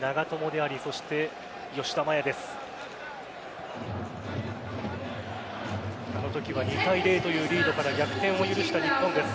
あのときは２対０というリードから逆転を許した日本です。